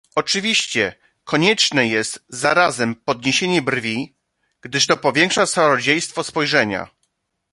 "Oczywiście konieczne jest zarazem podniesienie brwi, gdyż to powiększa czarodziejstwo spojrzenia."